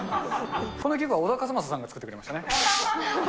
この曲は小田和正さんが作ってくれましたね。